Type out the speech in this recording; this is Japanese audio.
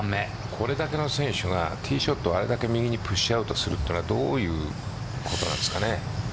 これだけの選手がティーショットをあれだけ右にプッシュアウトするのはどういうことなんですかね。